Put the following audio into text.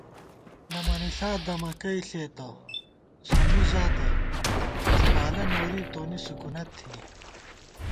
نہ مَنِݪا دَمکی ݪېتہ، سومّی ژاتہ ، زی بالہ نوری تونی سکُونت تھنی